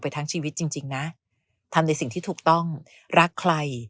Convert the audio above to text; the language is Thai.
ทั้งชีวิตจริงนะทำในสิ่งที่ถูกต้องรักใคร